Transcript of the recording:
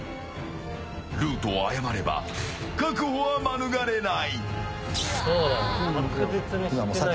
ルートを誤れば確保は免れない。